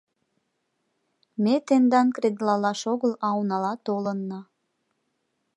— Ме тендан кредлалаш огыл а унала толынна.